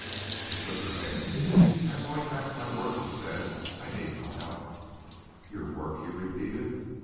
She shook her head. "I am going back to my work," she said. "I need no help." "Your work?" he repeated.